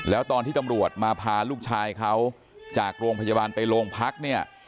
แล้วตอนที่ตำรวจมาพาลูกชายเขาจากโรงพยาบาลไปโรงพักเนี่ย